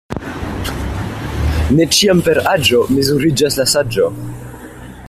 Ne ĉiam per aĝo mezuriĝas la saĝo.